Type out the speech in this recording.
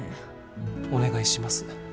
お願いします。